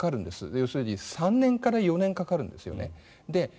要するに３年から４年かかるんですよね。